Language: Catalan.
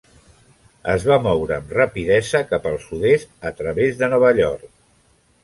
Es va moure amb rapidesa cap al sud-est a través de Nova York.